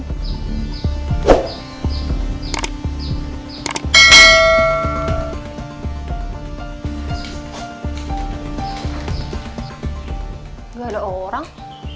ga ada orang